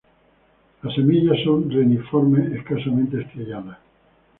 Las semillas son reniformes, escasamente estrelladas.